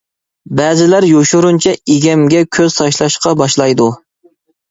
بەزىلەر يوشۇرۇنچە ئىگەمگە كۆز تاشلاشقا باشلايدۇ.